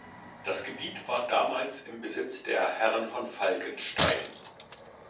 Das Gebiet war damals im Besitz der Herren von Falkenstein.